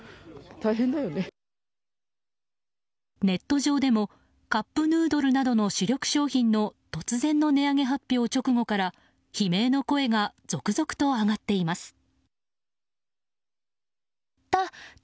ネット上でもカップヌードルなどの主力商品の突然の値上げ発表直度から悲鳴の声が続々と上がっています。